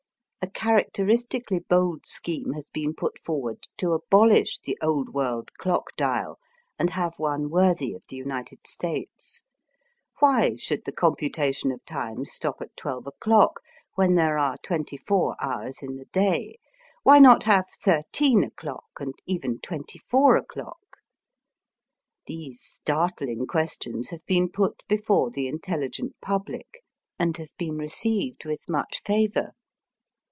A characteris tically bold scheme has been put forward to abolish the Old World clock dial, and have one worthy of the United States. Why should the computation of time stop at twelve o'clock, when there are twenty four hours in the day ? Why not have thirteen o'clock and even twenty four o'clock? These startling questions have been put before the intelligent public, and have been received with much favour.